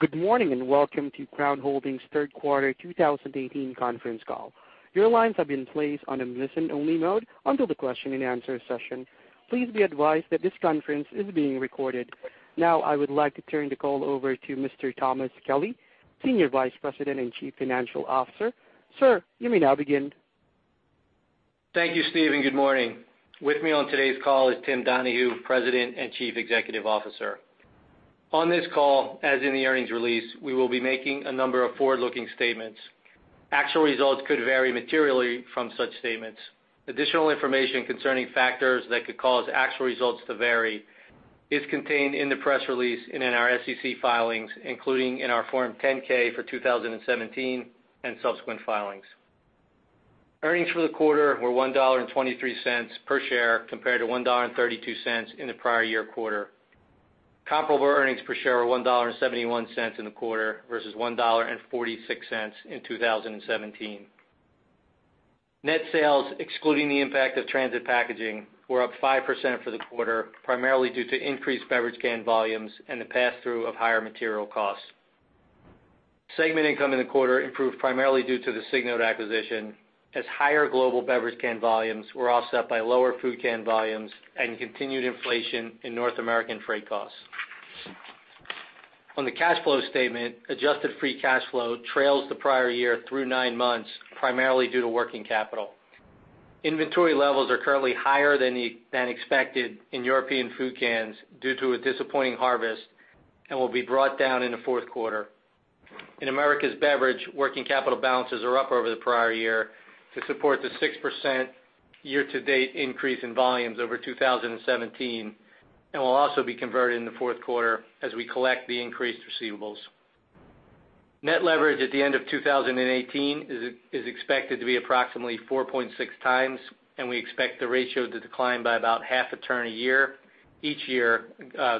Good morning, welcome to Crown Holdings' third quarter 2018 conference call. Your lines have been placed on a listen-only mode until the question and answer session. Please be advised that this conference is being recorded. Now, I would like to turn the call over to Mr. Thomas Kelly, Senior Vice President and Chief Financial Officer. Sir, you may now begin. Thank you, Steve, and good morning. With me on today's call is Tim Donahue, President and Chief Executive Officer. On this call, as in the earnings release, we will be making a number of forward-looking statements. Actual results could vary materially from such statements. Additional information concerning factors that could cause actual results to vary is contained in the press release and in our SEC filings, including in our Form 10-K for 2017 and subsequent filings. Earnings for the quarter were $1.23 per share compared to $1.32 in the prior year quarter. Comparable earnings per share were $1.71 in the quarter versus $1.46 in 2017. Net sales, excluding the impact of Transit Packaging, were up 5% for the quarter, primarily due to increased beverage can volumes and the pass-through of higher material costs. Segment income in the quarter improved primarily due to the Signode acquisition, as higher global beverage can volumes were offset by lower food can volumes and continued inflation in North American freight costs. On the cash flow statement, adjusted free cash flow trails the prior year through nine months, primarily due to working capital. Inventory levels are currently higher than expected in European Food cans due to a disappointing harvest and will be brought down in the fourth quarter. In Americas Beverage, working capital balances are up over the prior year to support the 6% year-to-date increase in volumes over 2017 and will also be converted in the fourth quarter as we collect the increased receivables. Net leverage at the end of 2018 is expected to be approximately 4.6 times, and we expect the ratio to decline by about half a turn a year each year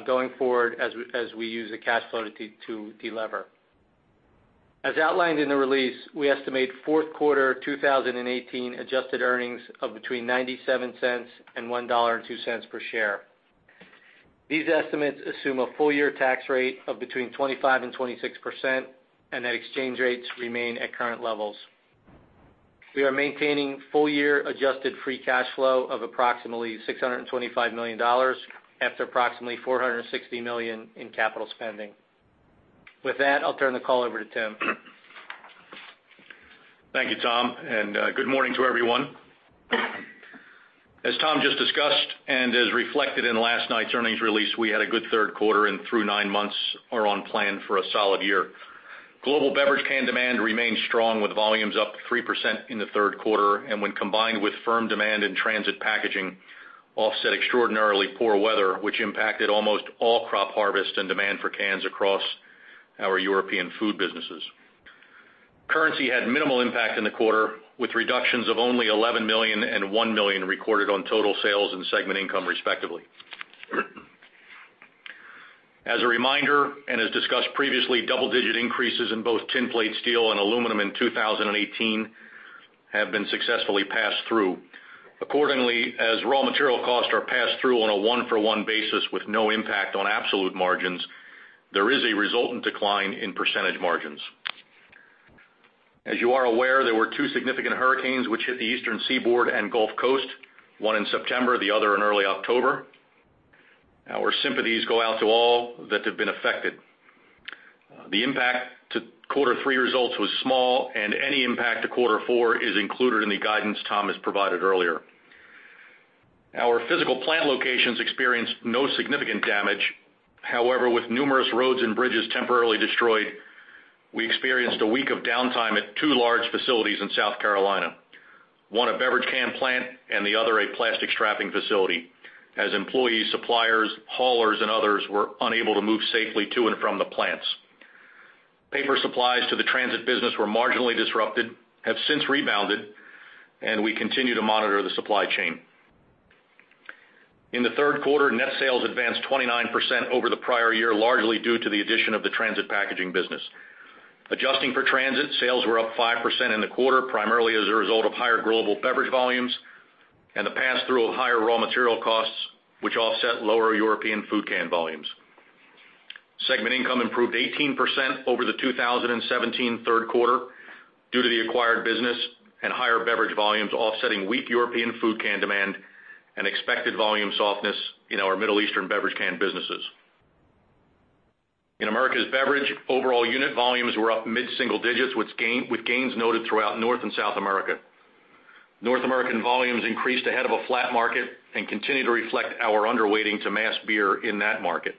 going forward as we use the cash flow to de-lever. As outlined in the release, we estimate fourth quarter 2018 adjusted earnings of between $0.97 and $1.02 per share. These estimates assume a full-year tax rate of between 25% and 26%, that exchange rates remain at current levels. We are maintaining full-year adjusted free cash flow of approximately $625 million after approximately $460 million in capital spending. With that, I'll turn the call over to Tim. Thank you, Tom. Good morning to everyone. As Tom just discussed, as reflected in last night's earnings release, we had a good third quarter and through nine months are on plan for a solid year. Global beverage can demand remains strong with volumes up 3% in the third quarter and when combined with firm demand in Transit Packaging offset extraordinarily poor weather, which impacted almost all crop harvest and demand for cans across our European Food businesses. Currency had minimal impact in the quarter with reductions of only $11 million and $1 million recorded on total sales and segment income, respectively. As a reminder, as discussed previously, double-digit increases in both tin plate steel and aluminum in 2018 have been successfully passed through. As raw material costs are passed through on a one-for-one basis with no impact on absolute margins, there is a resultant decline in percentage margins. As you are aware, there were two significant hurricanes which hit the Eastern Seaboard and Gulf Coast, one in September, the other in early October. Our sympathies go out to all that have been affected. The impact to quarter three results was small, and any impact to quarter four is included in the guidance Tom has provided earlier. Our physical plant locations experienced no significant damage. However, with numerous roads and bridges temporarily destroyed, we experienced a week of downtime at two large facilities in South Carolina. One, a beverage can plant, and the other, a plastic strapping facility, as employees, suppliers, haulers, and others were unable to move safely to and from the plants. Paper supplies to the Transit business were marginally disrupted, have since rebounded, and we continue to monitor the supply chain. In the third quarter, net sales advanced 29% over the prior year, largely due to the addition of the Transit Packaging business. Adjusting for Transit, sales were up 5% in the quarter, primarily as a result of higher global beverage volumes and the pass-through of higher raw material costs, which offset lower European Food can volumes. Segment income improved 18% over the 2017 third quarter due to the acquired business and higher beverage volumes offsetting weak European Food can demand and expected volume softness in our Middle Eastern beverage can businesses. In Americas Beverage, overall unit volumes were up mid-single digits with gains noted throughout North and South America. North American volumes increased ahead of a flat market and continue to reflect our underweighting to mass beer in that market.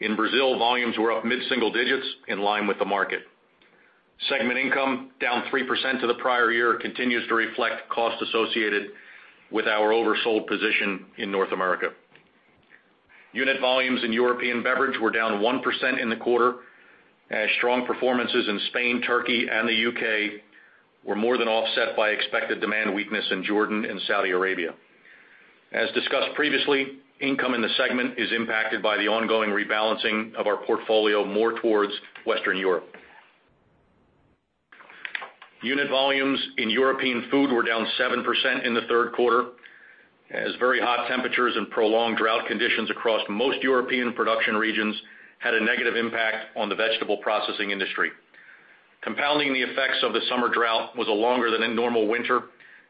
In Brazil, volumes were up mid-single digits in line with the market. Segment income, down 3% to the prior year, continues to reflect costs associated with our oversold position in North America. Unit volumes in European Beverage were down 1% in the quarter as strong performances in Spain, Turkey, and the U.K. were more than offset by expected demand weakness in Jordan and Saudi Arabia. As discussed previously, income in the segment is impacted by the ongoing rebalancing of our portfolio more towards Western Europe. Unit volumes in European Food were down 7% in the third quarter as very hot temperatures and prolonged drought conditions across most European production regions had a negative impact on the vegetable processing industry. Compounding the effects of the summer drought was a longer than normal winter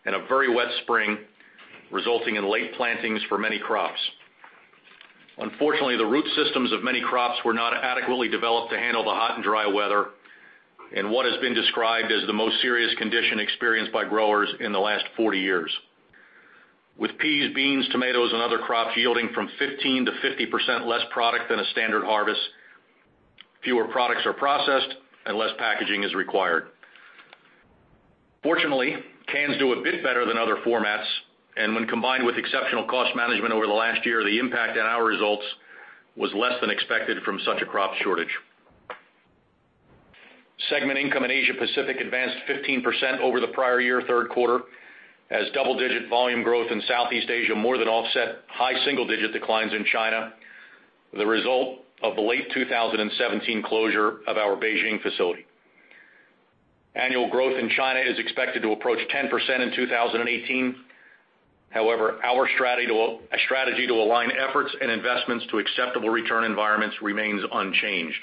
and a very wet spring, resulting in late plantings for many crops. Unfortunately, the root systems of many crops were not adequately developed to handle the hot and dry weather in what has been described as the most serious condition experienced by growers in the last 40 years. With peas, beans, tomatoes and other crops yielding from 15%-50% less product than a standard harvest, fewer products are processed and less packaging is required. Fortunately, cans do a bit better than other formats, and when combined with exceptional cost management over the last year, the impact on our results was less than expected from such a crop shortage. Segment income in Asia Pacific advanced 15% over the prior year third quarter, as double-digit volume growth in Southeast Asia more than offset high single-digit declines in China, the result of the late 2017 closure of our Beijing facility. Annual growth in China is expected to approach 10% in 2018. Our strategy to align efforts and investments to acceptable return environments remains unchanged.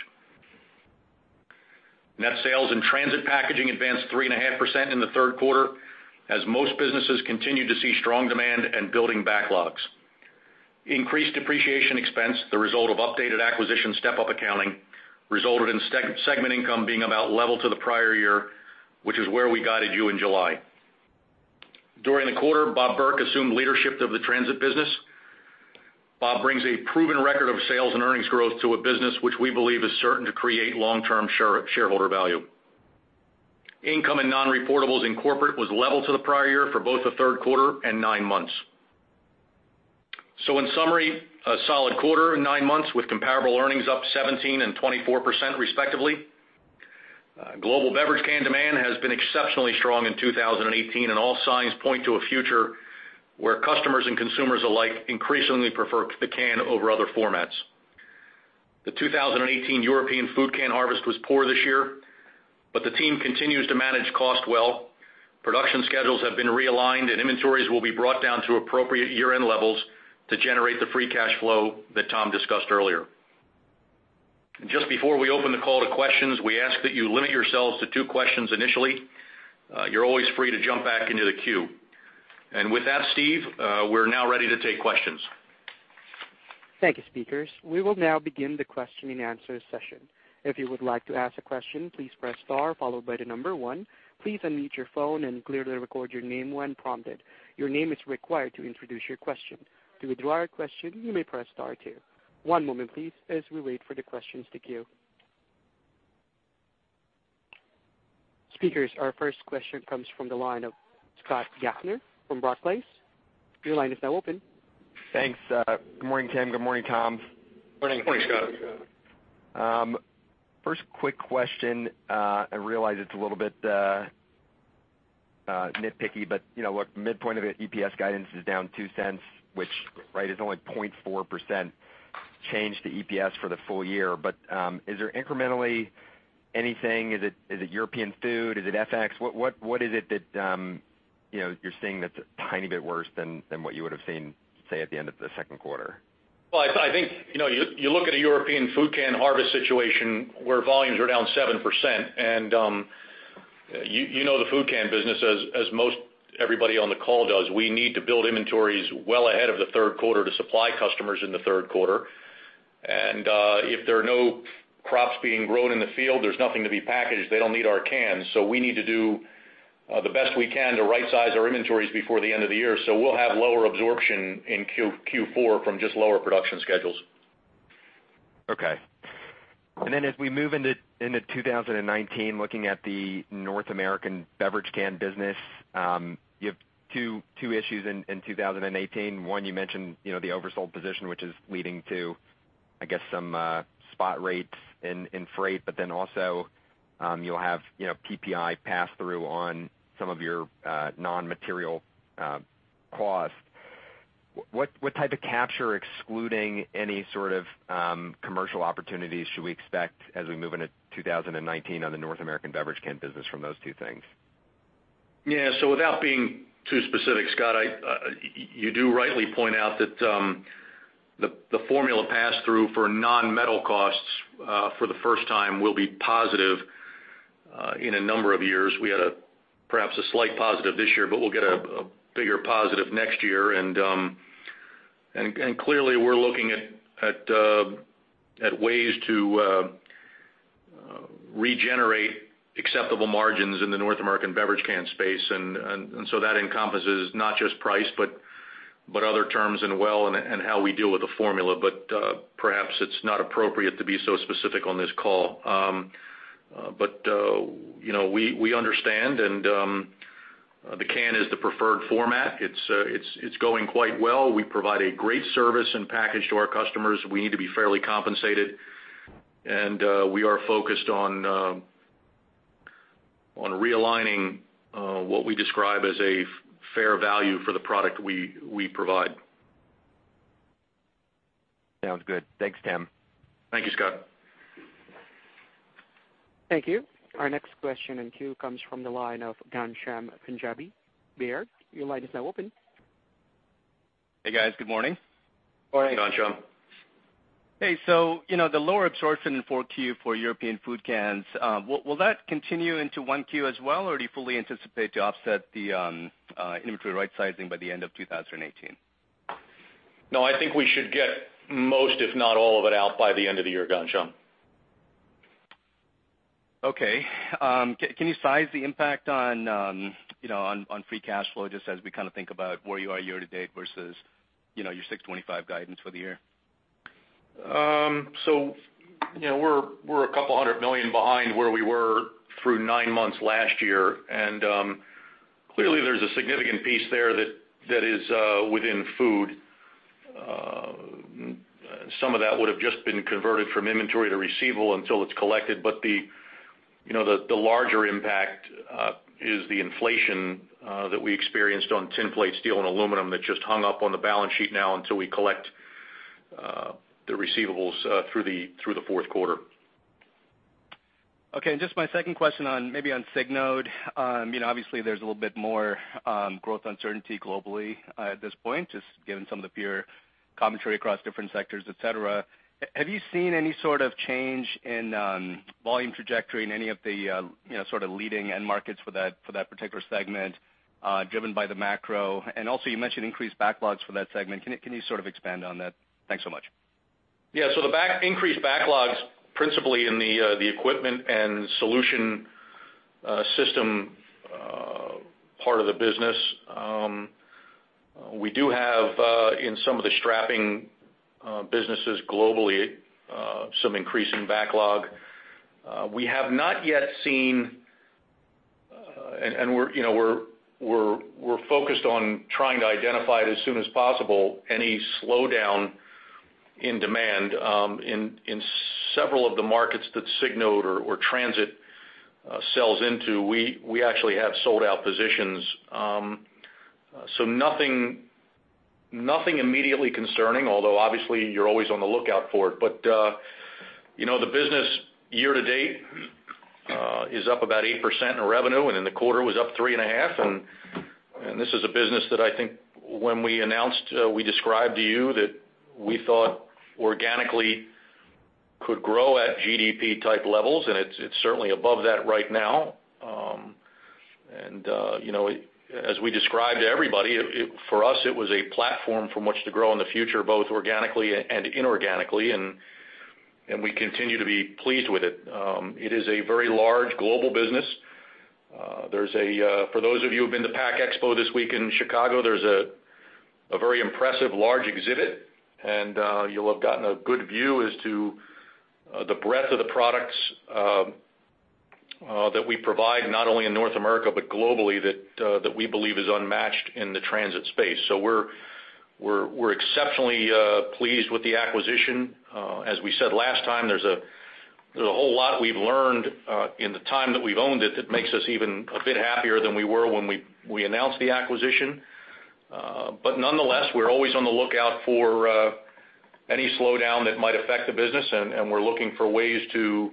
Net sales in Transit Packaging advanced 3.5% in the third quarter, as most businesses continued to see strong demand and building backlogs. Increased depreciation expense, the result of updated acquisition step-up accounting, resulted in segment income being about level to the prior year, which is where we guided you in July. During the quarter, Bob Burke assumed leadership of the Transit business. Bob brings a proven record of sales and earnings growth to a business which we believe is certain to create long-term shareholder value. Income in non-reportables in corporate was level to the prior year for both the third quarter and nine months. In summary, a solid quarter and nine months with comparable earnings up 17% and 24% respectively. Global beverage can demand has been exceptionally strong in 2018, and all signs point to a future where customers and consumers alike increasingly prefer the can over other formats. The 2018 European Food can harvest was poor this year, but the team continues to manage cost well. Production schedules have been realigned, and inventories will be brought down to appropriate year-end levels to generate the free cash flow that Tom discussed earlier. Just before we open the call to questions, we ask that you limit yourselves to two questions initially. You're always free to jump back into the queue. With that, Steve, we're now ready to take questions. Thank you, speakers. We will now begin the question and answer session. If you would like to ask a question, please press star followed by the number 1. Please unmute your phone and clearly record your name when prompted. Your name is required to introduce your question. To withdraw a question, you may press star 2. One moment, please, as we wait for the questions to queue. Speakers, our first question comes from the line of Scott Gaffner from Barclays. Your line is now open. Thanks. Good morning, Tim. Good morning, Tom. Morning. Morning, Scott. First quick question. I realize it's a little bit nitpicky, but midpoint of it, EPS guidance is down $0.02, which is only 0.4% change to EPS for the full year. Is there incrementally anything? Is it European Food? Is it FX? What is it that you're seeing that's a tiny bit worse than what you would've seen, say, at the end of the second quarter? Well, I think, you look at a European Food can harvest situation where volumes are down 7%, and you know the food can business as most everybody on the call does, we need to build inventories well ahead of the third quarter to supply customers in the third quarter. If there are no crops being grown in the field, there's nothing to be packaged. They don't need our cans. We need to do the best we can to right-size our inventories before the end of the year. We'll have lower absorption in Q4 from just lower production schedules. Okay. As we move into 2019, looking at the North American Beverage Can Business, you have two issues in 2018. One, you mentioned the oversold position, which is leading to, I guess, some spot rates in freight, also, you will have PPI pass-through on some of your non-material costs. What type of capture, excluding any sort of commercial opportunities, should we expect as we move into 2019 on the North American Beverage Can Business from those two things? Yeah. Without being too specific, Scott, you do rightly point out that the formula pass-through for non-metal costs for the first time will be positive in a number of years. We had perhaps a slight positive this year, we will get a bigger positive next year. Clearly, we are looking at ways to regenerate acceptable margins in the North American Beverage Can Space, that encompasses not just price, but other terms in well and how we deal with the formula. Perhaps it is not appropriate to be so specific on this call. We understand, the can is the preferred format. It is going quite well. We provide a great service and package to our customers. We need to be fairly compensated. We are focused on realigning what we describe as a fair value for the product we provide. Sounds good. Thanks, Tim. Thank you, Scott. Thank you. Our next question in queue comes from the line of Ghansham Panjabi. Ghansham, your line is now open. Hey, guys. Good morning. Morning. Morning. Hey, the lower absorption in 4Q for European Food cans, will that continue into 1Q as well? Or do you fully anticipate to offset the inventory rightsizing by the end of 2018? No, I think we should get most, if not all of it, out by the end of the year, Ghansham. Okay. Can you size the impact on free cash flow just as we think about where you are year-to-date versus your $625 guidance for the year? We're a couple of hundred million behind where we were through nine months last year. Clearly, there's a significant piece there that is within food. Some of that would've just been converted from inventory to receivable until it's collected. The larger impact is the inflation that we experienced on tin plate steel and aluminum that just hung up on the balance sheet now until we collect the receivables through the fourth quarter. Okay. Just my second question maybe on Signode. Obviously, there's a little bit more growth uncertainty globally at this point, just given some of the peer commentary across different sectors, et cetera. Have you seen any sort of change in volume trajectory in any of the leading end markets for that particular segment, driven by the macro? Also, you mentioned increased backlogs for that segment. Can you expand on that? Thanks so much. Yeah. The increased backlog's principally in the equipment and solution system part of the business. We do have, in some of the strapping businesses globally, some increase in backlog. We have not yet seen, and we're focused on trying to identify it as soon as possible, any slowdown in demand in several of the markets that Signode or Transit sells into. We actually have sold-out positions. Nothing immediately concerning, although obviously you're always on the lookout for it. The business year-to-date is up about 8% in revenue, and in the quarter was up 3.5%. This is a business that I think when we announced, we described to you that we thought organically could grow at GDP type levels, and it's certainly above that right now. As we described to everybody, for us, it was a platform from which to grow in the future, both organically and inorganically, and we continue to be pleased with it. It is a very large global business. For those of you who've been to PACK EXPO this week in Chicago, there's a very impressive large exhibit, and you'll have gotten a good view as to the breadth of the products that we provide, not only in North America, but globally, that we believe is unmatched in the transit space. We're exceptionally pleased with the acquisition. As we said last time, there's a whole lot we've learned in the time that we've owned it that makes us even a bit happier than we were when we announced the acquisition. Nonetheless, we're always on the lookout for any slowdown that might affect the business, and we're looking for ways to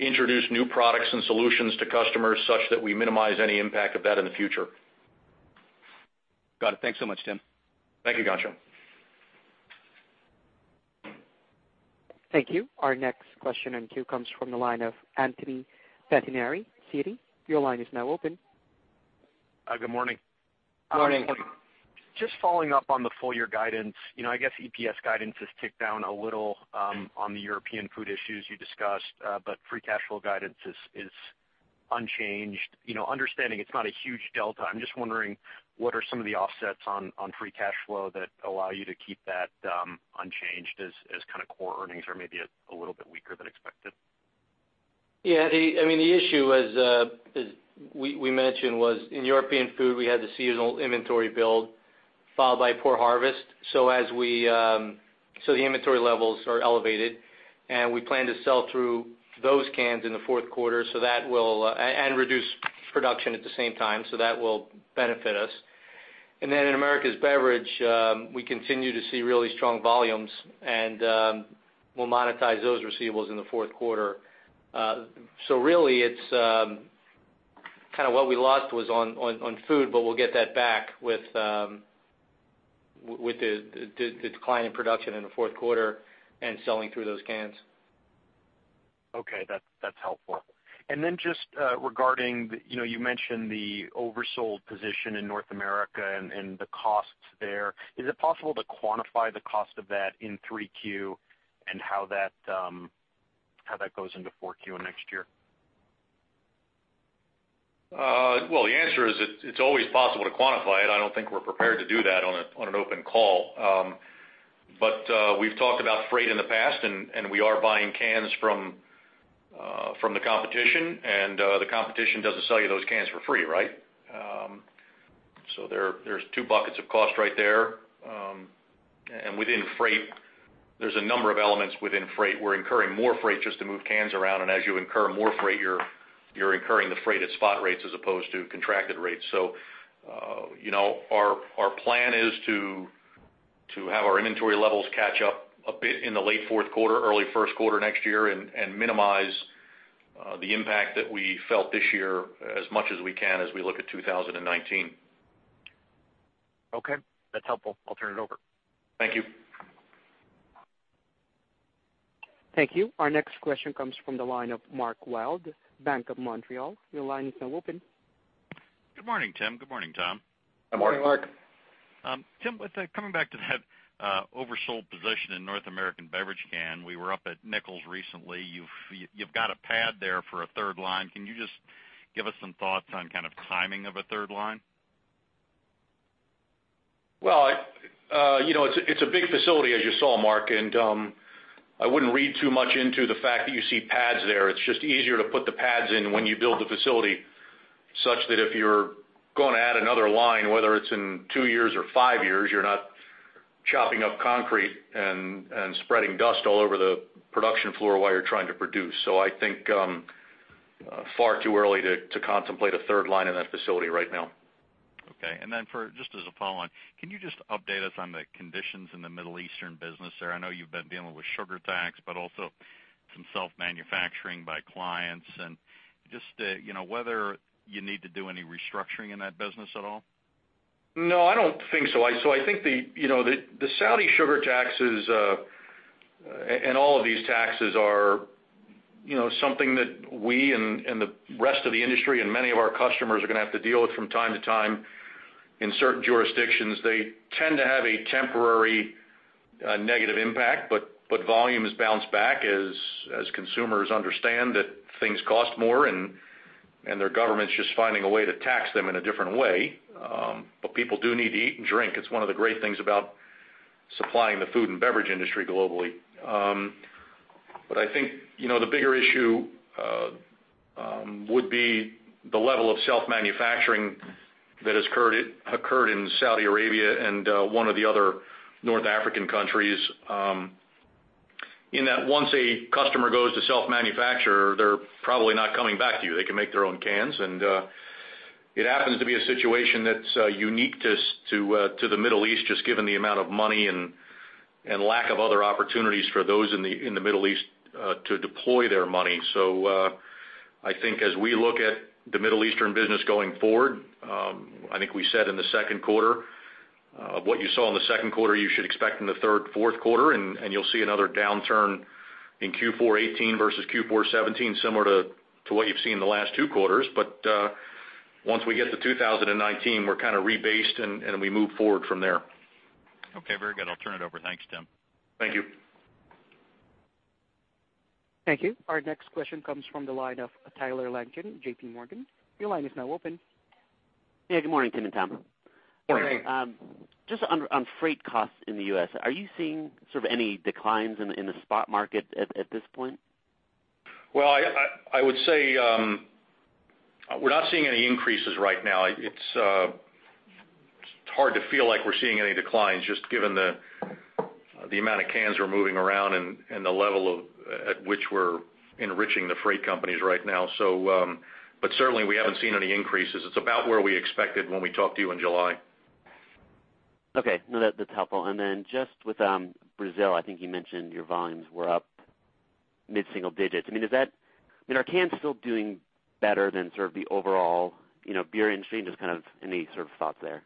introduce new products and solutions to customers such that we minimize any impact of that in the future. Got it. Thanks so much, Tim. Thank you, Ghansham. Thank you. Our next question in queue comes from the line of Anthony Pettinari, Citi. Your line is now open. Good morning. Morning. Morning. Just following up on the full year guidance. I guess EPS guidance has ticked down a little on the European Food issues you discussed, but free cash flow guidance is unchanged. Understanding it's not a huge delta, I'm just wondering, what are some of the offsets on free cash flow that allow you to keep that unchanged as core earnings are maybe a little bit weaker than expected? Yeah. The issue, as we mentioned, was in European Food, we had the seasonal inventory build followed by poor harvest. The inventory levels are elevated, and we plan to sell through those cans in the fourth quarter, and reduce production at the same time. That will benefit us. In Americas Beverage, we continue to see really strong volumes, and we'll monetize those receivables in the fourth quarter. Really, what we lost was on food, but we'll get that back with the decline in production in the fourth quarter and selling through those cans. Okay. That's helpful. Just regarding, you mentioned the oversold position in North America and the costs there. Is it possible to quantify the cost of that in 3Q and how that goes into 4Q and next year? Well, the answer is it's always possible to quantify it. I don't think we're prepared to do that on an open call. We've talked about freight in the past, we are buying cans from the competition, the competition doesn't sell you those cans for free, right? There's two buckets of cost right there. Within freight, there's a number of elements within freight. We're incurring more freight just to move cans around, as you incur more freight, you're incurring the freight at spot rates as opposed to contracted rates. Our plan is to have our inventory levels catch up a bit in the late fourth quarter, early first quarter next year, and minimize the impact that we felt this year as much as we can as we look at 2019. Okay, that's helpful. I'll turn it over. Thank you. Thank you. Our next question comes from the line of Mark Wilde, Bank of Montreal. Your line is now open. Good morning, Tim. Good morning, Tom. Good morning, Mark. Tim, coming back to that oversold position in North American beverage can. We were up at Nichols recently. You've got a pad there for a third line. Can you just give us some thoughts on kind of timing of a third line? It's a big facility as you saw, Mark, I wouldn't read too much into the fact that you see pads there. It's just easier to put the pads in when you build the facility, such that if you're going to add another line, whether it's in two years or five years, you're not chopping up concrete and spreading dust all over the production floor while you're trying to produce. I think far too early to contemplate a third line in that facility right now. Just as a follow-on, can you just update us on the conditions in the Middle Eastern business there? I know you've been dealing with sugar tax, also some self-manufacturing by clients and just whether you need to do any restructuring in that business at all? I don't think so. I think the Saudi sugar taxes and all of these taxes are something that we and the rest of the industry and many of our customers are going to have to deal with from time to time. In certain jurisdictions, they tend to have a temporary negative impact, volumes bounce back as consumers understand that things cost more, and their government's just finding a way to tax them in a different way. People do need to eat and drink. It's one of the great things about supplying the food and beverage industry globally. I think the bigger issue would be the level of self-manufacturing that has occurred in Saudi Arabia and one of the other North African countries, in that once a customer goes to self-manufacture, they're probably not coming back to you. They can make their own cans, it happens to be a situation that's unique to the Middle East, just given the amount of money and lack of other opportunities for those in the Middle East to deploy their money. I think as we look at the Middle Eastern business going forward, I think we said in the second quarter, what you saw in the second quarter, you should expect in the third, fourth quarter, you'll see another downturn in Q4 2018 versus Q4 2017, similar to what you've seen in the last two quarters. Once we get to 2019, we're kind of rebased, and we move forward from there. Okay, very good. I'll turn it over. Thanks, Tim. Thank you. Thank you. Our next question comes from the line of Tyler Langen, J.P. Morgan. Your line is now open. Yeah, good morning, Tim and Tom. Good morning. Just on freight costs in the U.S., are you seeing sort of any declines in the spot market at this point? Well, I would say we're not seeing any increases right now. It's hard to feel like we're seeing any declines, just given the amount of cans we're moving around and the level at which we're enriching the freight companies right now. Certainly, we haven't seen any increases. It's about where we expected when we talked to you in July. Okay. No, that's helpful. Then just with Brazil, I think you mentioned your volumes were up mid-single digits. Are cans still doing better than sort of the overall beer industry? Just kind of any sort of thoughts there.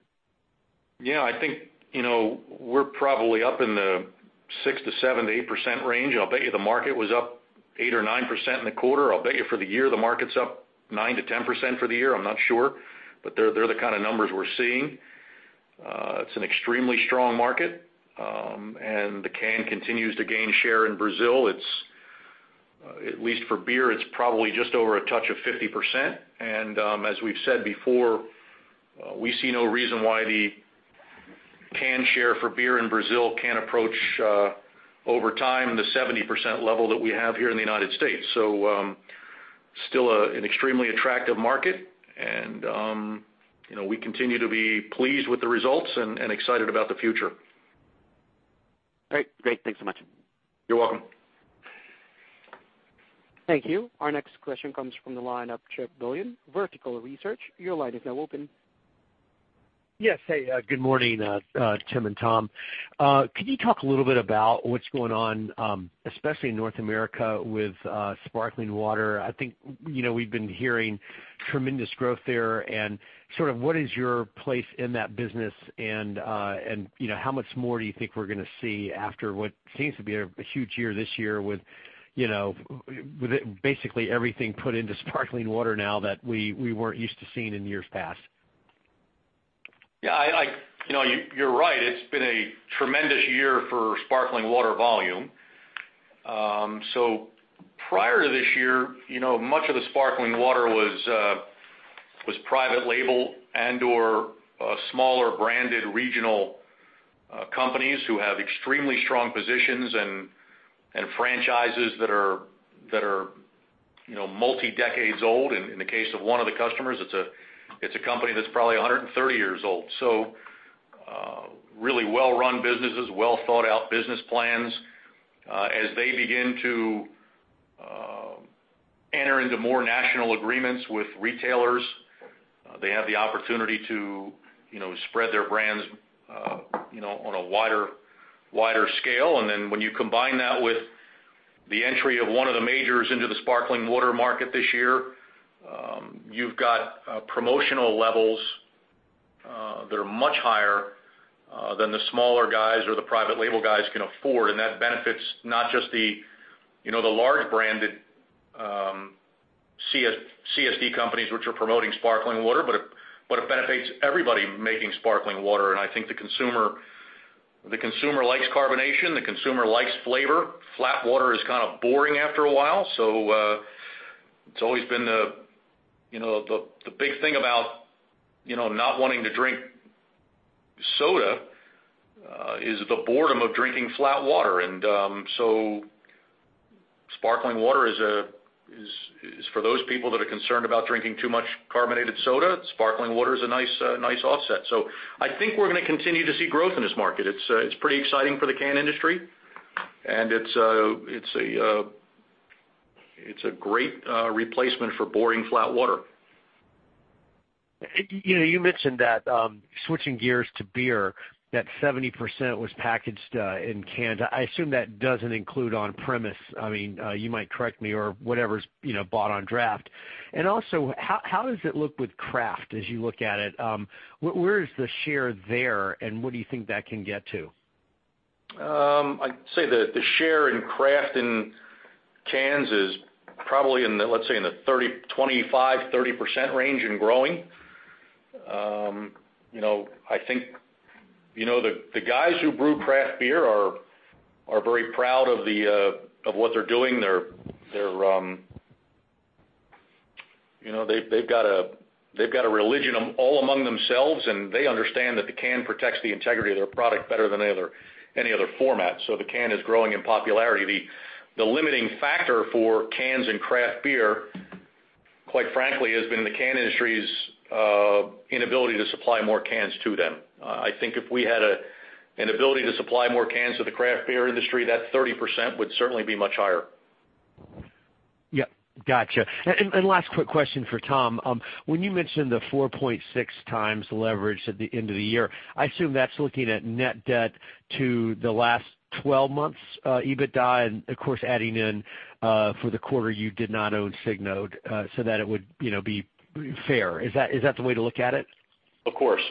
Yeah, I think we're probably up in the 6 to 7 to 8% range. I'll bet you the market was up 8 or 9% in the quarter. I'll bet you for the year, the market's up 9 to 10% for the year. I'm not sure. They're the kind of numbers we're seeing. It's an extremely strong market, and the can continues to gain share in Brazil. At least for beer, it's probably just over a touch of 50%. As we've said before, we see no reason why the can share for beer in Brazil can't approach over time the 70% level that we have here in the United States. Still an extremely attractive market, and we continue to be pleased with the results and excited about the future. All right, great. Thanks so much. You're welcome. Thank you. Our next question comes from the line of Chip Dillon, Vertical Research. Your line is now open. Yes. Hey, good morning, Tim and Tom. Could you talk a little bit about what's going on, especially in North America with sparkling water? I think we've been hearing tremendous growth there and sort of what is your place in that business and how much more do you think we're going to see after what seems to be a huge year this year with basically everything put into sparkling water now that we weren't used to seeing in years past? Yeah. You're right. It's been a tremendous year for sparkling water volume. Prior to this year, much of the sparkling water was private label and/or smaller branded regional companies who have extremely strong positions and franchises that are multi decades old. In the case of one of the customers, it's a company that's probably 130 years old. Really well-run businesses, well-thought-out business plans. As they begin to enter into more national agreements with retailers, they have the opportunity to spread their brands on a wider scale. When you combine that with the entry of one of the majors into the sparkling water market this year, you've got promotional levels that are much higher than the smaller guys or the private label guys can afford. That benefits not just the large branded CSD companies, which are promoting sparkling water, but it benefits everybody making sparkling water. I think the consumer likes carbonation. The consumer likes flavor. Flat water is kind of boring after a while. It's always been the big thing about not wanting to drink soda is the boredom of drinking flat water. Sparkling water is for those people that are concerned about drinking too much carbonated soda, sparkling water is a nice offset. I think we're going to continue to see growth in this market. It's pretty exciting for the can industry, and it's a great replacement for boring flat water. You mentioned that, switching gears to beer, that 70% was packaged in cans. I assume that doesn't include on-premise. You might correct me or whatever's bought on draft. Also, how does it look with craft as you look at it? Where is the share there, and what do you think that can get to? I'd say the share in craft in cans is probably, let's say, in the 25%-30% range and growing. I think the guys who brew craft beer are very proud of what they're doing. They've got a religion all among themselves, and they understand that the can protects the integrity of their product better than any other format. The can is growing in popularity. The limiting factor for cans and craft beer, quite frankly, has been the can industry's inability to supply more cans to them. I think if we had an ability to supply more cans to the craft beer industry, that 30% would certainly be much higher. Yep. Got you. Last quick question for Tom. When you mentioned the 4.6 times leverage at the end of the year, I assume that's looking at net debt to the last 12 months EBITDA, and of course, adding in for the quarter you did not own Signode so that it would be fair. Is that the way to look at it? Of course.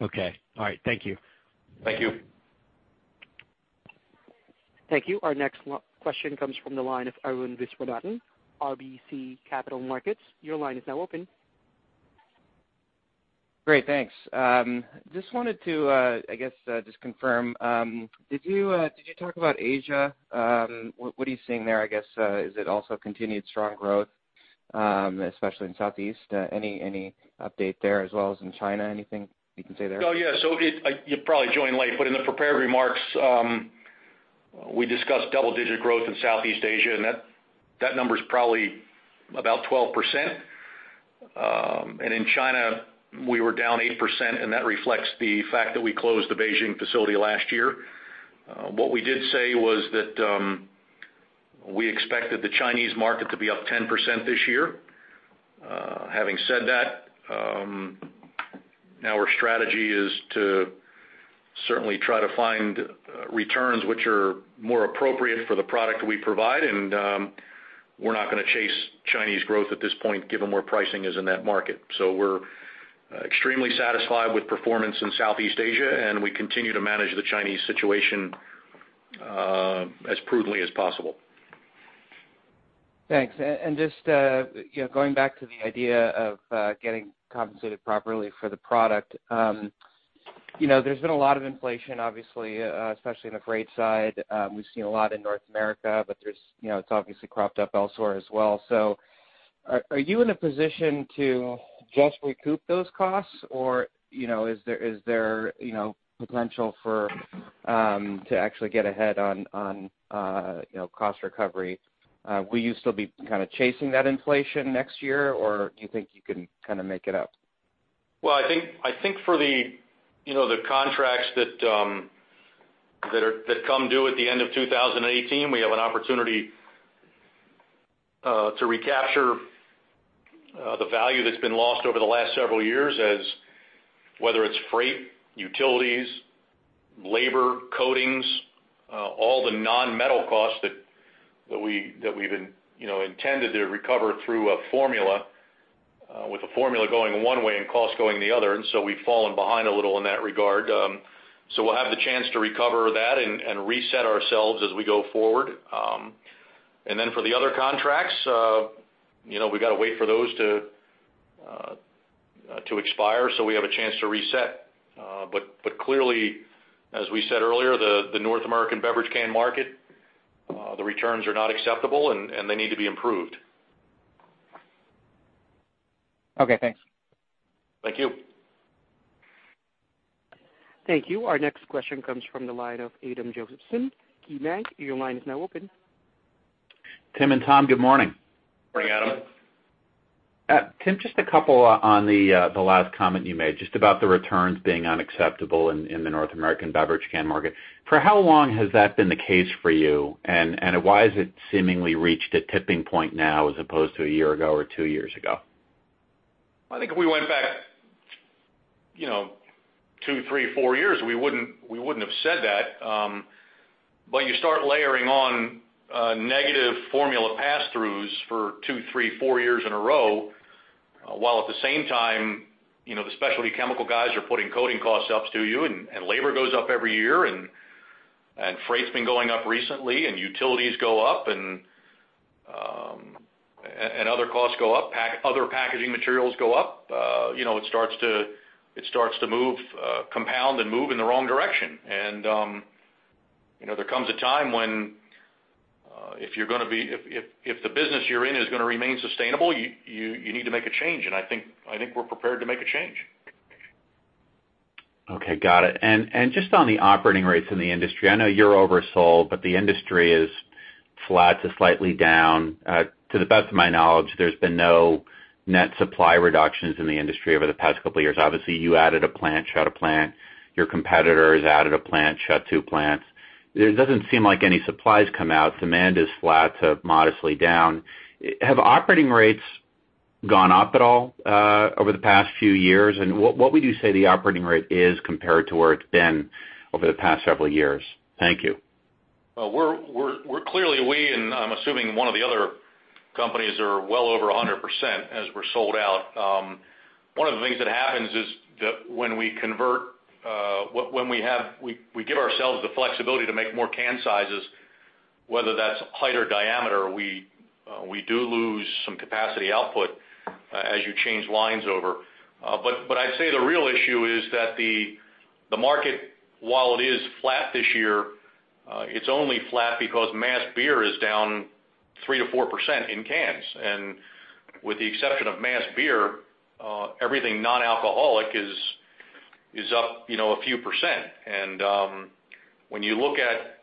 Okay. All right. Thank you. Thank you. Thank you. Our next question comes from the line of Arun Viswanathan, RBC Capital Markets. Your line is now open. Great, thanks. Just wanted to just confirm. Did you talk about Asia? What are you seeing there? Is it also continued strong growth, especially in Southeast? Any update there as well as in China? Anything you can say there? Oh, yeah. You probably joined late, but in the prepared remarks, we discussed double-digit growth in Southeast Asia, and that number's probably about 12%. In China, we were down 8%, and that reflects the fact that we closed the Beijing facility last year. What we did say was that we expected the Chinese market to be up 10% this year. Having said that, now our strategy is to certainly try to find returns which are more appropriate for the product we provide, and we're not going to chase Chinese growth at this point, given where pricing is in that market. We're extremely satisfied with performance in Southeast Asia, and we continue to manage the Chinese situation as prudently as possible. Thanks. Just going back to the idea of getting compensated properly for the product. There's been a lot of inflation, obviously, especially on the freight side. We've seen a lot in North America, but it's obviously cropped up elsewhere as well. Are you in a position to just recoup those costs, or is there potential to actually get ahead on cost recovery? Will you still be kind of chasing that inflation next year, or do you think you can kind of make it up? Well, I think for the contracts that come due at the end of 2018, we have an opportunity to recapture the value that's been lost over the last several years, as whether it's freight, utilities, labor, coatings, all the non-metal costs that we've intended to recover through a formula with the formula going one way and cost going the other. We've fallen behind a little in that regard. We'll have the chance to recover that and reset ourselves as we go forward. Then for the other contracts, we got to wait for those to expire so we have a chance to reset. Clearly, as we said earlier, the North American beverage can market, the returns are not acceptable, and they need to be improved. Okay, thanks. Thank you. Thank you. Our next question comes from the line of Adam Josephson, KeyBank. Your line is now open. Tim and Tom, good morning. Morning, Adam. Tim, just a couple on the last comment you made, just about the returns being unacceptable in the North American beverage can market. For how long has that been the case for you, and why has it seemingly reached a tipping point now as opposed to a year ago or two years ago? I think if we went back two, three, four years, we wouldn't have said that. You start layering on negative formula pass-throughs for two, three, four years in a row, while at the same time, the specialty chemical guys are putting coating cost ups to you, and labor goes up every year, and freight's been going up recently, and utilities go up, and other costs go up, other packaging materials go up. It starts to compound and move in the wrong direction. There comes a time when, if the business you're in is going to remain sustainable, you need to make a change, and I think we're prepared to make a change. Okay. Got it. Just on the operating rates in the industry, I know you're oversold, but the industry is flat to slightly down. To the best of my knowledge, there's been no net supply reductions in the industry over the past couple of years. Obviously, you added a plant, shut a plant. Your competitor has added a plant, shut two plants. It doesn't seem like any supply has come out. Demand is flat to modestly down. Have operating rates gone up at all over the past few years? What would you say the operating rate is compared to where it's been over the past several years? Thank you. Well, clearly, we, and I'm assuming one of the other companies, are well over 100% as we're sold out. One of the things that happens is that when we give ourselves the flexibility to make more can sizes, whether that's height or diameter, we do lose some capacity output as you change lines over. I'd say the real issue is that the market, while it is flat this year, it's only flat because mass beer is down 3%-4% in cans. With the exception of mass beer, everything non-alcoholic is up a few percent. When you look at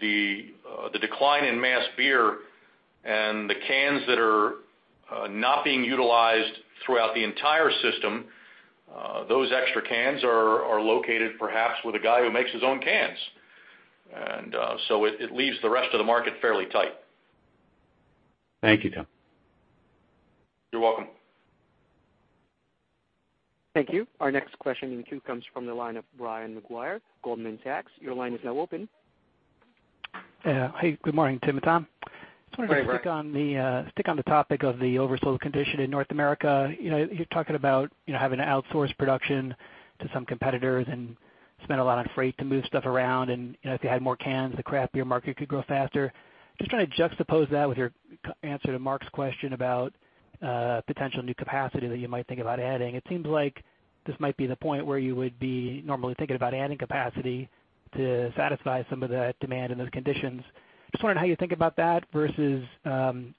the decline in mass beer and the cans that are not being utilized throughout the entire system, those extra cans are located perhaps with a guy who makes his own cans. It leaves the rest of the market fairly tight. Thank you, Tim. You're welcome. Thank you. Our next question in the queue comes from the line of Brian Maguire, Goldman Sachs. Your line is now open. Hey, good morning, Tim and Tom. Good morning, Brian. Just wanted to stick on the topic of the oversold condition in North America. You're talking about having to outsource production to some competitors and spend a lot on freight to move stuff around. If you had more cans, the craft beer market could grow faster. Just trying to juxtapose that with your answer to Mark's question about potential new capacity that you might think about adding. It seems like this might be the point where you would be normally thinking about adding capacity to satisfy some of the demand in those conditions. Just wondering how you think about that versus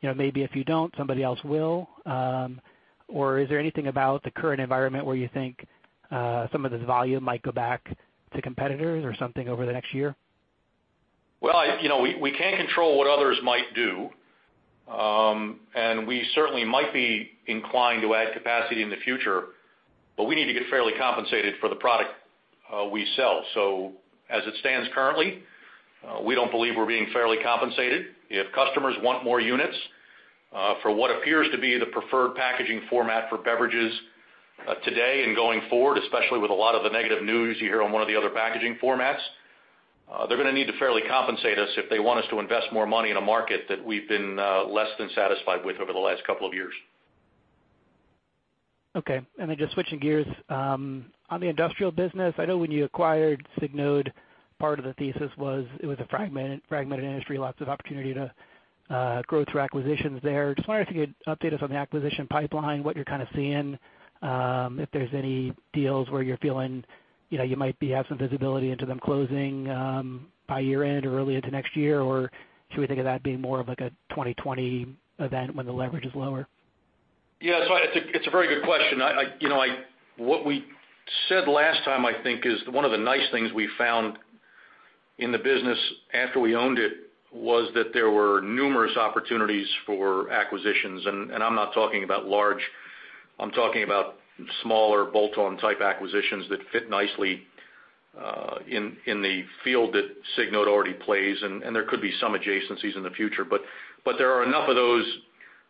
maybe if you don't, somebody else will. Is there anything about the current environment where you think some of this volume might go back to competitors or something over the next year? We can't control what others might do. We certainly might be inclined to add capacity in the future, but we need to get fairly compensated for the product we sell. As it stands currently, we don't believe we're being fairly compensated. If customers want more units for what appears to be the preferred packaging format for beverages today and going forward, especially with a lot of the negative news you hear on one of the other packaging formats, they're going to need to fairly compensate us if they want us to invest more money in a market that we've been less than satisfied with over the last couple of years. Just switching gears. On the industrial business, I know when you acquired Signode, part of the thesis was it was a fragmented industry, lots of opportunity to grow through acquisitions there. Just wondering if you could update us on the acquisition pipeline, what you're kind of seeing, if there's any deals where you're feeling you might have some visibility into them closing by year-end or early into next year, should we think of that being more of like a 2020 event when the leverage is lower? It's a very good question. What we said last time, I think, is one of the nice things we found in the business after we owned it was that there were numerous opportunities for acquisitions. I'm not talking about large. I'm talking about smaller bolt-on type acquisitions that fit nicely in the field that Signode already plays. There could be some adjacencies in the future. There are enough of those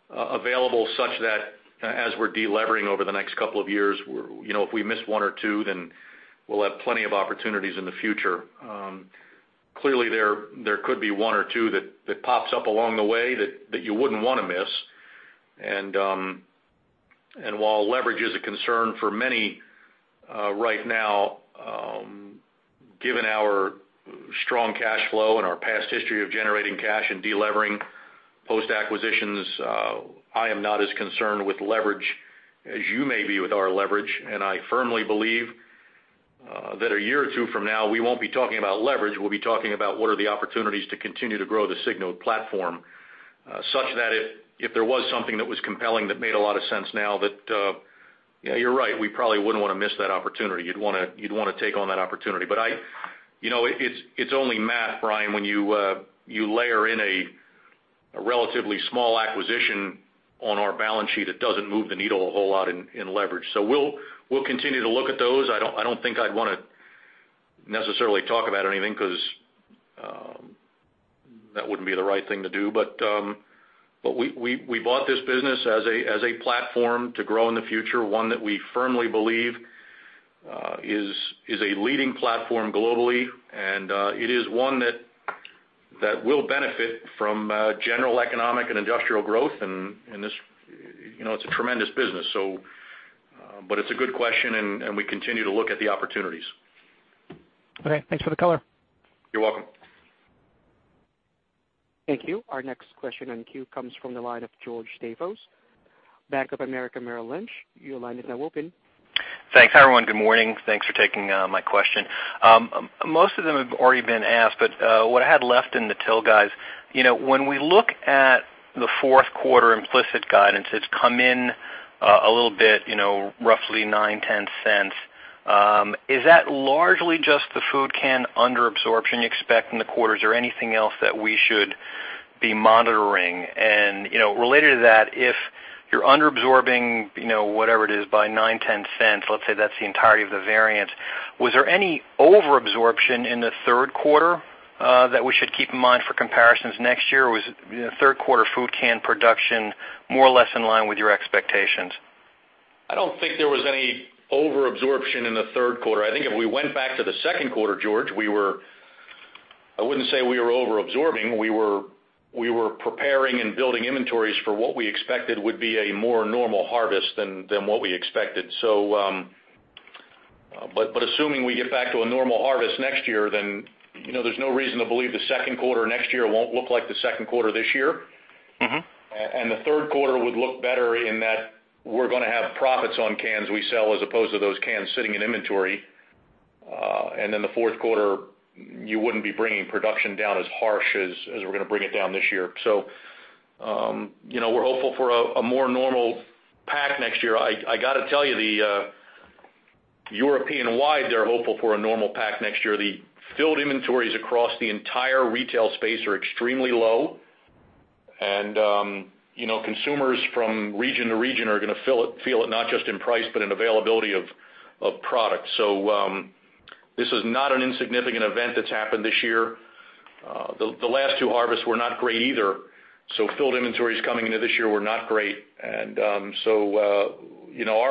available such that as we're de-levering over the next couple of years, if we miss one or two, then we'll have plenty of opportunities in the future. Clearly, there could be one or two that pops up along the way that you wouldn't want to miss. While leverage is a concern for many right now, given our strong cash flow and our past history of generating cash and de-levering post-acquisitions, I am not as concerned with leverage as you may be with our leverage. I firmly believe that a year or two from now, we won't be talking about leverage. We'll be talking about what are the opportunities to continue to grow the Signode platform, such that if there was something that was compelling that made a lot of sense now. Yeah, you're right. We probably wouldn't want to miss that opportunity. You'd want to take on that opportunity. It's only math, Brian, when you layer in a relatively small acquisition on our balance sheet, it doesn't move the needle a whole lot in leverage. We'll continue to look at those. I don't think I'd want to necessarily talk about anything because that wouldn't be the right thing to do. We bought this business as a platform to grow in the future, one that we firmly believe is a leading platform globally, and it is one that will benefit from general economic and industrial growth, and it's a tremendous business. It's a good question, and we continue to look at the opportunities. Okay. Thanks for the color. You're welcome. Thank you. Our next question on queue comes from the line of George Staphos, Bank of America Merrill Lynch. Your line is now open. Thanks. Hi, everyone. Good morning. Thanks for taking my question. Most of them have already been asked, what I had left in the till, guys, when we look at the fourth quarter implicit guidance, it's come in a little bit, roughly $0.09, $0.10. Is that largely just the food can under-absorption you expect in the quarters or anything else that we should be monitoring? Related to that, if you're under-absorbing, whatever it is by $0.09, $0.10, let's say that's the entirety of the variance, was there any over-absorption in the third quarter that we should keep in mind for comparisons next year? Was third quarter food can production more or less in line with your expectations? I don't think there was any over-absorption in the third quarter. I think if we went back to the second quarter, George, I wouldn't say we were over-absorbing. We were preparing and building inventories for what we expected would be a more normal harvest than what we expected. Assuming we get back to a normal harvest next year, there's no reason to believe the second quarter next year won't look like the second quarter this year. The third quarter would look better in that we're going to have profits on cans we sell as opposed to those cans sitting in inventory. The fourth quarter, you wouldn't be bringing production down as harsh as we're going to bring it down this year. We're hopeful for a more normal pack next year. I got to tell you, European wide, they're hopeful for a normal pack next year. The filled inventories across the entire retail space are extremely low. Consumers from region to region are going to feel it not just in price, but in availability of product. This is not an insignificant event that's happened this year. The last two harvests were not great either, filled inventories coming into this year were not great. Our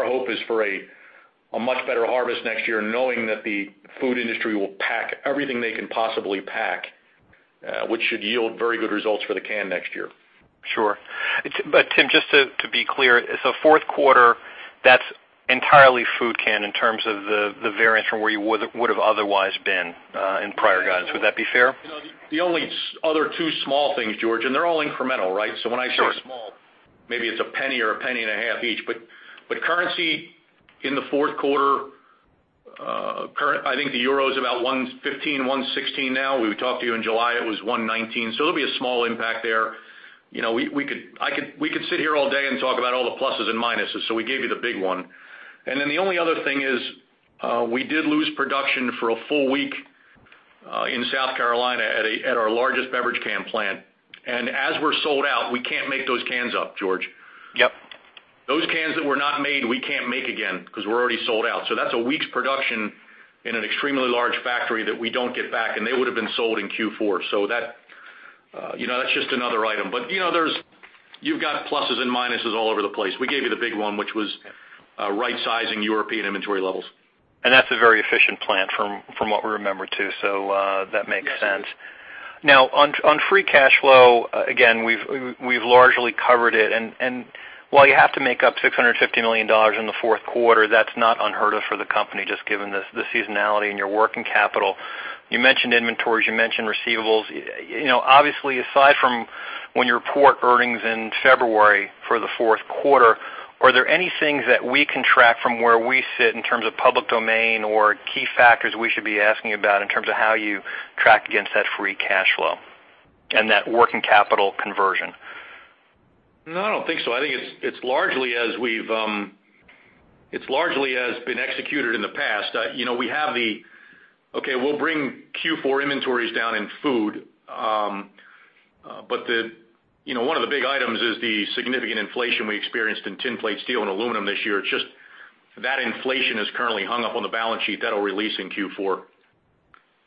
hope is for a much better harvest next year, knowing that the food industry will pack everything they can possibly pack, which should yield very good results for the can next year. Sure. Tim, just to be clear, so fourth quarter, that's entirely food can in terms of the variance from where you would've otherwise been in prior guidance. Would that be fair? The only other two small things, George, and they're all incremental, right? Sure. When I say small, maybe it's a penny or a penny and a half each. Currency in the fourth quarter, I think the euro is about 1.15, 1.16 now. We talked to you in July, it was 1.19. There'll be a small impact there. We could sit here all day and talk about all the pluses and minuses. We gave you the big one. The only other thing is, we did lose production for a full week in South Carolina at our largest beverage can plant. And as we're sold out, we can't make those cans up, George. Yep. Those cans that were not made, we can't make again because we're already sold out. That's a week's production in an extremely large factory that we don't get back, and they would've been sold in Q4. That's just another item. You've got pluses and minuses all over the place. We gave you the big one, which was right-sizing European inventory levels. That's a very efficient plant from what we remember, too. That makes sense. Yes, it is. On free cash flow, again, we've largely covered it. While you have to make up $650 million in the fourth quarter, that's not unheard of for the company, just given the seasonality in your working capital. You mentioned inventories, you mentioned receivables. Obviously, aside from when you report earnings in February for the fourth quarter, are there any things that we can track from where we sit in terms of public domain or key factors we should be asking about in terms of how you track against that free cash flow and that working capital conversion? No, I don't think so. I think it's largely as it's been executed in the past. Okay, we'll bring Q4 inventories down in food. One of the big items is the significant inflation we experienced in tinplate steel and aluminum this year. It's just that inflation is currently hung up on the balance sheet that'll release in Q4.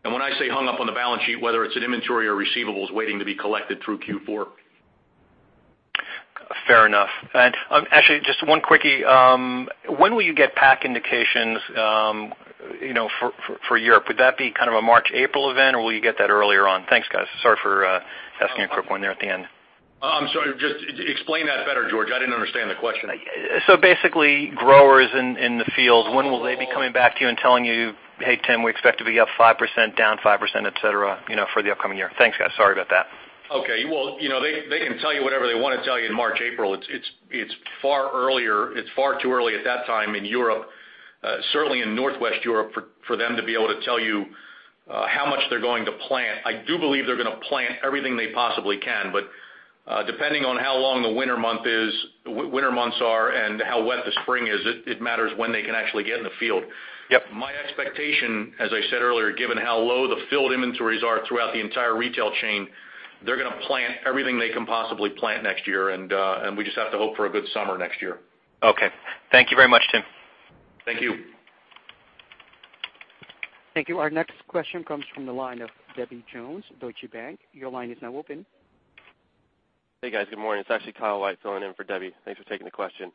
When I say hung up on the balance sheet, whether it's an inventory or receivables waiting to be collected through Q4. Fair enough. Actually, just one quickie. When will you get pack indications for Europe? Would that be kind of a March, April event, or will you get that earlier on? Thanks, guys. Sorry for asking a quick one there at the end. I'm sorry. Just explain that better, George. I didn't understand the question. Basically, growers in the field, when will they be coming back to you and telling you, "Hey, Tim, we expect to be up 5%, down 5%, et cetera, for the upcoming year"? Thanks, guys. Sorry about that. Okay. Well, they can tell you whatever they want to tell you in March, April. It's far too early at that time in Europe, certainly in Northwest Europe, for them to be able to tell you how much they're going to plant. I do believe they're going to plant everything they possibly can. Depending on how long the winter months are and how wet the spring is, it matters when they can actually get in the field. Yep. My expectation, as I said earlier, given how low the field inventories are throughout the entire retail chain, they're going to plant everything they can possibly plant next year, and we just have to hope for a good summer next year. Okay. Thank you very much, Tim. Thank you. Thank you. Our next question comes from the line of Debbie Jones, Deutsche Bank. Your line is now open. Hey, guys. Good morning. It's actually Kyle White filling in for Debbie. Thanks for taking the question.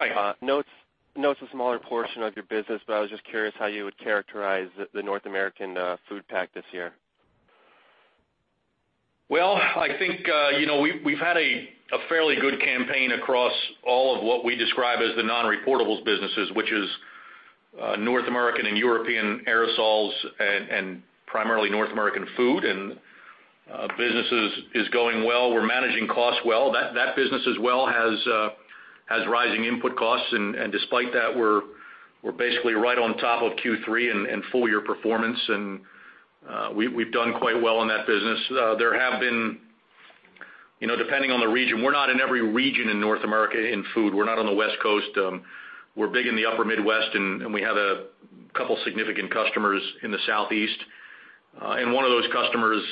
Hi. I know it's a smaller portion of your business, but I was just curious how you would characterize the North American food pack this year. I think, we've had a fairly good campaign across all of what we describe as the non-reportables businesses, which is North American and European aerosols and primarily North American food, and business is going well. We're managing costs well. That business as well has rising input costs, and despite that, we're basically right on top of Q3 and full-year performance, and we've done quite well in that business. Depending on the region, we're not in every region in North America in food. We're not on the West Coast. We're big in the upper Midwest, and we have a couple significant customers in the Southeast. One of those customers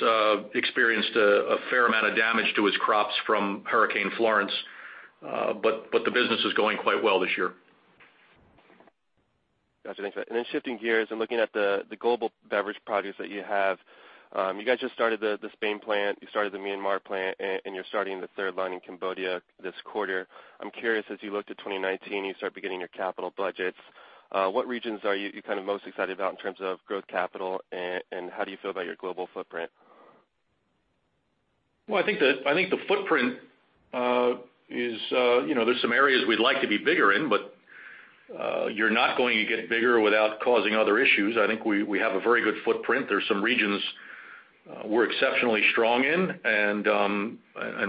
experienced a fair amount of damage to its crops from Hurricane Florence. The business is going quite well this year. Gotcha. Thanks for that. Shifting gears and looking at the global beverage products that you have. You guys just started the Spain plant, you started the Myanmar plant, and you're starting the third line in Cambodia this quarter. I'm curious, as you look to 2019, you start beginning your capital budgets, what regions are you most excited about in terms of growth capital, and how do you feel about your global footprint? Well, I think the footprint, there's some areas we'd like to be bigger in, you're not going to get bigger without causing other issues. I think we have a very good footprint. There's some regions we're exceptionally strong in,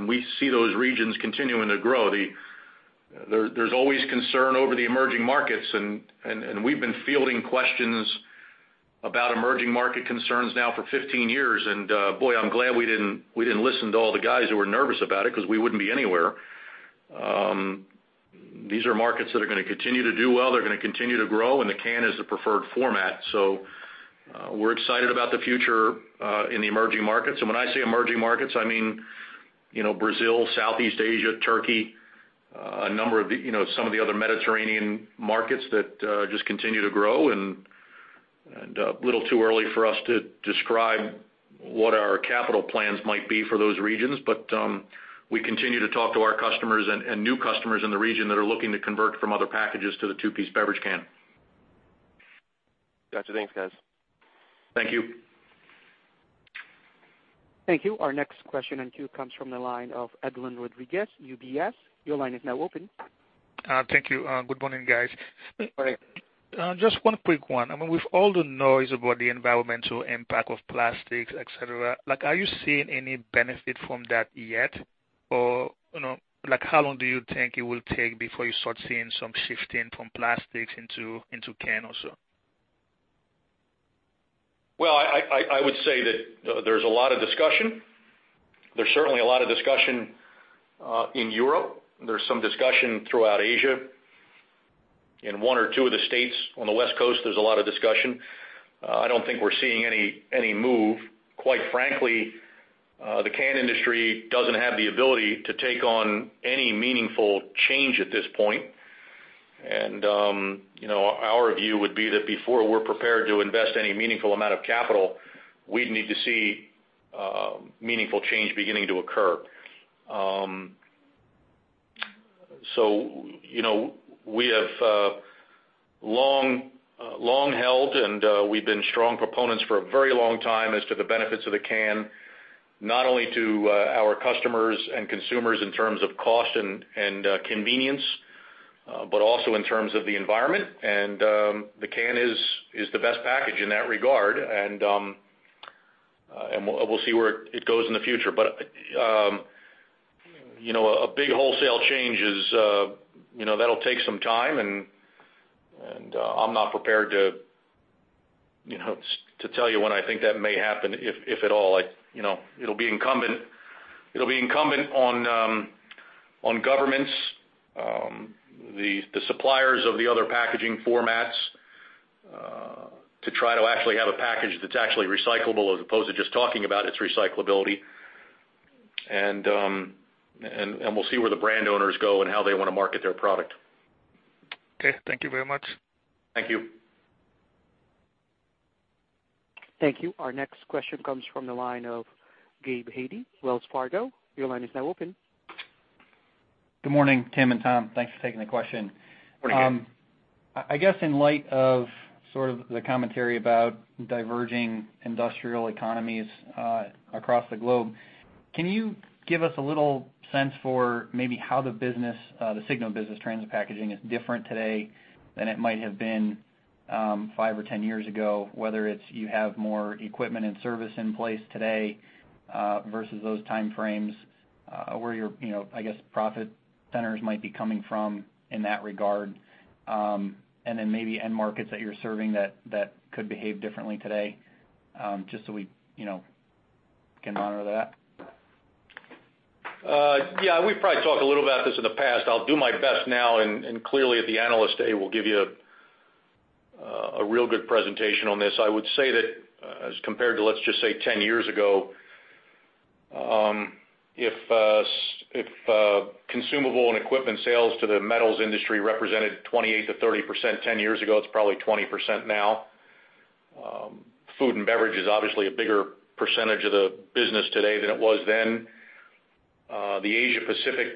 we see those regions continuing to grow. There's always concern over the emerging markets, we've been fielding questions about emerging market concerns now for 15 years. Boy, I'm glad we didn't listen to all the guys who were nervous about it, because we wouldn't be anywhere. These are markets that are going to continue to do well. They're going to continue to grow, the can is the preferred format. We're excited about the future in the emerging markets. When I say emerging markets, I mean Brazil, Southeast Asia, Turkey, some of the other Mediterranean markets that just continue to grow, a little too early for us to describe what our capital plans might be for those regions. We continue to talk to our customers and new customers in the region that are looking to convert from other packages to the two-piece beverage can. Gotcha. Thanks, guys. Thank you. Thank you. Our next question in queue comes from the line of Edlain Rodriguez, UBS. Your line is now open. Thank you. Good morning, guys. Morning. Just one quick one. With all the noise about the environmental impact of plastics, et cetera, are you seeing any benefit from that yet? Or how long do you think it will take before you start seeing some shifting from plastics into cans or so? Well, I would say that there's a lot of discussion. There's certainly a lot of discussion in Europe. There's some discussion throughout Asia. In one or two of the states on the West Coast, there's a lot of discussion. I don't think we're seeing any move. Quite frankly, the can industry doesn't have the ability to take on any meaningful change at this point. Our view would be that before we're prepared to invest any meaningful amount of capital, we'd need to see meaningful change beginning to occur. We have long held, and we've been strong proponents for a very long time as to the benefits of the can, not only to our customers and consumers in terms of cost and convenience, but also in terms of the environment. The can is the best package in that regard, and we'll see where it goes in the future. A big wholesale change, that'll take some time, and I'm not prepared to tell you when I think that may happen, if at all. It'll be incumbent on governments, the suppliers of the other packaging formats, to try to actually have a package that's actually recyclable as opposed to just talking about its recyclability. We'll see where the brand owners go and how they want to market their product. Okay. Thank you very much. Thank you. Thank you. Our next question comes from the line of Gabe Hajde, Wells Fargo. Your line is now open. Good morning, Tim and Tom. Thanks for taking the question. Morning, Gabe. I guess in light of sort of the commentary about diverging industrial economies across the globe, can you give us a little sense for maybe how the Signode Business Transit Packaging is different today than it might have been five or 10 years ago? Whether it's you have more equipment and service in place today versus those time frames, where your, I guess, profit centers might be coming from in that regard. Maybe end markets that you're serving that could behave differently today. Just so we can honor that. Yeah. We've probably talked a little about this in the past. I'll do my best now, and clearly, at the Analyst Day, we'll give you a real good presentation on this. I would say that as compared to, let's just say 10 years ago, if consumable and equipment sales to the metals industry represented 28%-30% 10 years ago, it's probably 20% now. Food and beverage is obviously a bigger percentage of the business today than it was then. The Asia Pacific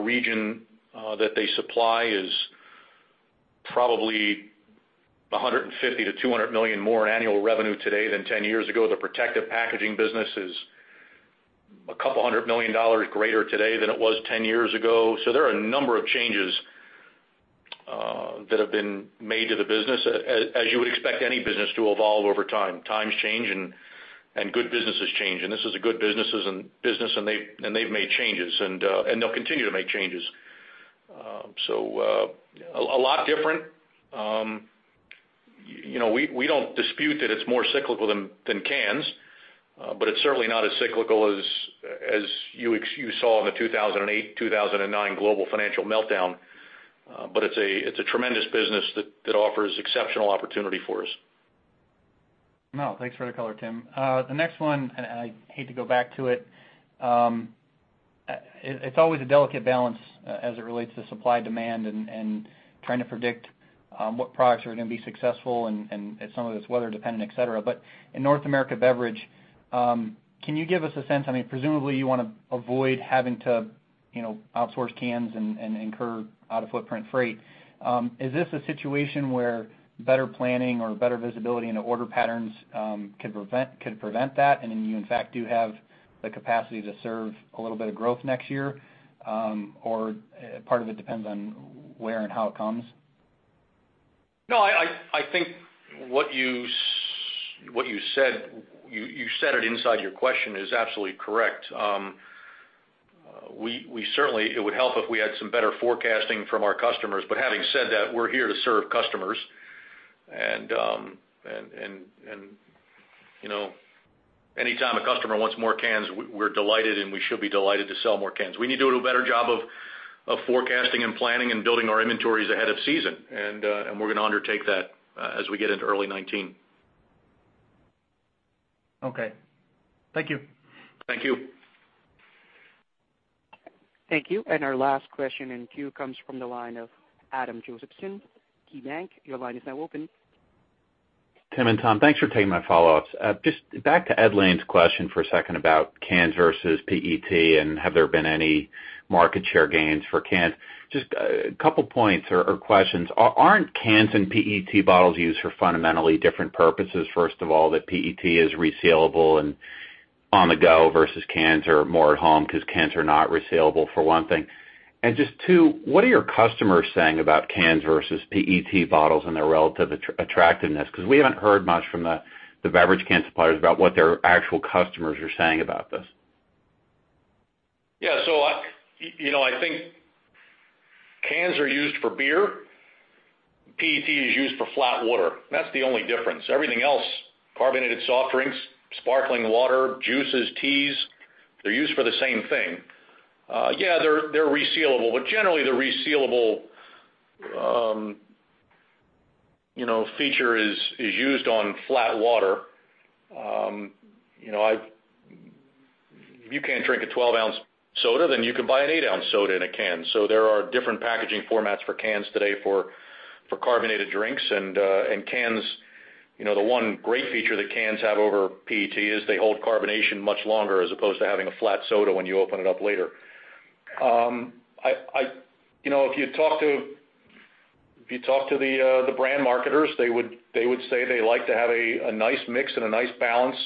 region that they supply is probably $150 million-$200 million more in annual revenue today than 10 years ago. The protective packaging business is a couple of hundred million dollars greater today than it was 10 years ago. There are a number of changes that have been made to the business, as you would expect any business to evolve over time. Times change and good businesses change, and this is a good business, and they've made changes, and they'll continue to make changes. A lot different. We don't dispute that it's more cyclical than cans. It's certainly not as cyclical as you saw in the 2008-2009 global financial meltdown. It's a tremendous business that offers exceptional opportunity for us. No, thanks for the color, Tim. The next one, I hate to go back to it. It's always a delicate balance as it relates to supply-demand and trying to predict what products are going to be successful, and some of it's weather dependent, et cetera. In North America beverage, can you give us a sense, presumably you want to avoid having to outsource cans and incur out-of-footprint freight. Is this a situation where better planning or better visibility into order patterns could prevent that? Then you, in fact, do have the capacity to serve a little bit of growth next year, or part of it depends on where and how it comes? No, I think what you said inside your question is absolutely correct. Certainly, it would help if we had some better forecasting from our customers. Having said that, we're here to serve customers. Anytime a customer wants more cans, we're delighted, and we should be delighted to sell more cans. We need to do a better job of forecasting and planning and building our inventories ahead of season. We're going to undertake that as we get into early 2019. Okay. Thank you. Thank you. Thank you. Our last question in queue comes from the line of Adam Josephson, KeyBank. Your line is now open. Tim and Tom, thanks for taking my follow-ups. Just back to Edlain's question for a second about cans versus PET and have there been any market share gains for cans. Just a couple points or questions. Aren't cans and PET bottles used for fundamentally different purposes, first of all, that PET is resealable and on-the-go versus cans are more at home because cans are not resealable, for one thing? Just two, what are your customers saying about cans versus PET bottles and their relative attractiveness? We haven't heard much from the beverage can suppliers about what their actual customers are saying about this. Yeah. I think cans are used for beer. PET is used for flat water. That's the only difference. Everything else, carbonated soft drinks, sparkling water, juices, teas, they're used for the same thing. Yeah, they're resealable, generally, the resealable feature is used on flat water. If you can't drink a 12-ounce soda, then you can buy an 8-ounce soda in a can. There are different packaging formats for cans today for carbonated drinks and the one great feature that cans have over PET is they hold carbonation much longer as opposed to having a flat soda when you open it up later. If you talk to the brand marketers, they would say they like to have a nice mix and a nice balance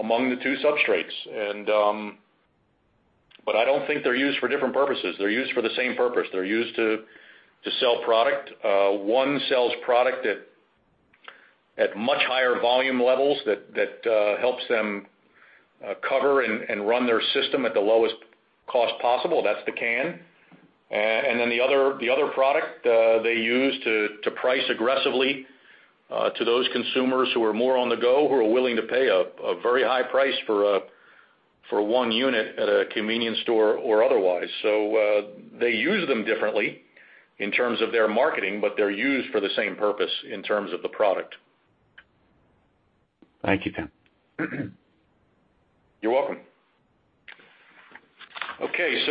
among the two substrates. I don't think they're used for different purposes. They're used for the same purpose. They're used to sell product. One sells product at much higher volume levels that helps them cover and run their system at the lowest cost possible. That's the can. The other product, they use to price aggressively to those consumers who are more on the go, who are willing to pay a very high price for one unit at a convenience store or otherwise. They use them differently in terms of their marketing, they're used for the same purpose in terms of the product. Thank you, Tim. You're welcome. Okay,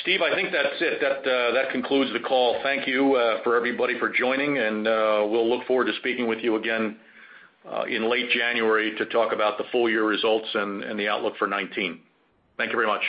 Steve, I think that's it. That concludes the call. Thank you for everybody for joining. We'll look forward to speaking with you again in late January to talk about the full year results and the outlook for 2019. Thank you very much.